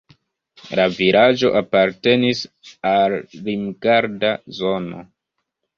La vilaĝo apartenis al Limgarda zono.